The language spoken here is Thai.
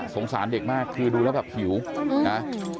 สงสารเด็กมากคือดูแล้วแบบหิวนะ